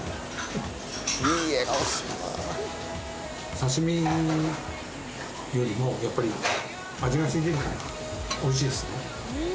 刺身よりもやっぱり味がついてるから美味しいですね。